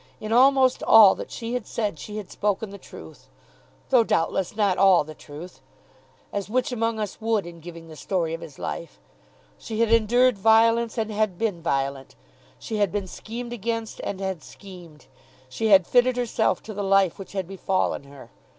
In almost all that she had said she had spoken the truth, though doubtless not all the truth, as which among us would in giving the story of his life? She had endured violence, and had been violent. She had been schemed against, and had schemed. She had fitted herself to the life which had befallen her.